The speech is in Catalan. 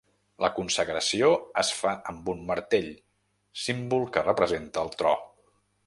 La consagració es fa amb un martell, símbol que representa el tro.